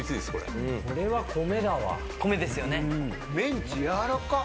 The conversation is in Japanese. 米ですよね。